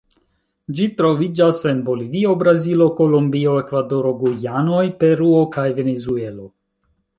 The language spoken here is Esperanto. Ĝi troviĝas en Bolivio, Brazilo, Kolombio, Ekvadoro, Gujanoj, Peruo kaj Venezuelo.